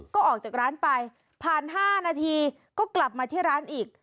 ก็ออกจากร้านไปผ่าน๕นาทีก็กลับมาที่ร้านอีก